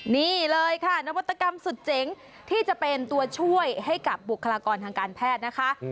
นี่เลยค่ะนวัตกรรมสุดเจ๋งที่จะเป็นตัวช่วยให้กับบุคลากรทางการแพทย์นะคะ